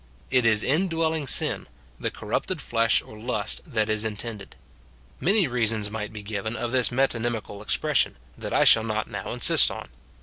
It is indwelling sin, the corrupted flesh or lust, that is intended. Many reasons might be given of this metonymical expression, that I shall not now insist on.